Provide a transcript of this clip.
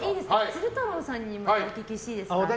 鶴太郎さんにお聞きしていいですか。